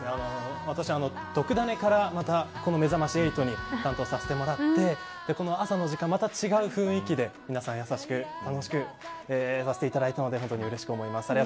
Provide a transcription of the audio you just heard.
私は、とくダネ！から、まためざまし８に担当させてもらって朝の時間、また違う雰囲気で皆さん優しく楽しくやらせていただいたので本当にうれしく思います。